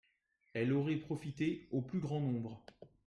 Elle aurait profité au plus grand nombre